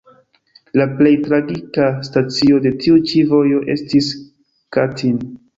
La plej tragika stacio de tiu ĉi vojo estis Katin.